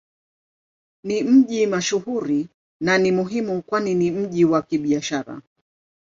Ni mji mashuhuri na ni muhimu kwani ni mji wa Kibiashara.